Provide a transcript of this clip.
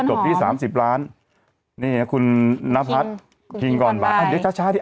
จบที่สามสิบร้านนี่คุณน้ำพัดคิงก่อนบ่ายอ่ะเร็วช้าช้าดิ